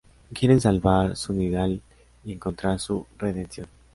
Quieren salvar Sunnydale y encontrar su redención.